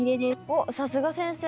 おっさすが先生。